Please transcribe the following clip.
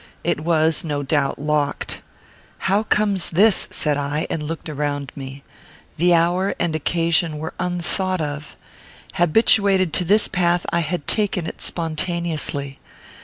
It was, no doubt, locked. "How comes this?" said I, and looked around me. The hour and occasion were unthought of. Habituated to this path, I had taken it spontaneously.